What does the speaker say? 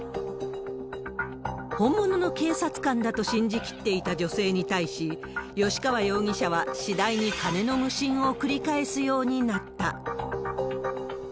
本物の警察官だと信じきっていた女性に対し、吉川容疑者は、次第に金の無心を繰り返すようになった。